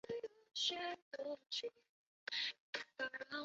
并且与邻站壶川站成为连续两个采用侧式月台上落的车站。